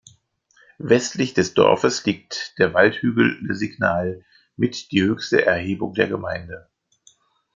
Westlich des Dorfes liegt der Waldhügel "Le Signal", mit die höchste Erhebung der Gemeinde.